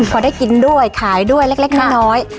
พอได้กินด้วยขายด้วยเล็กน้อย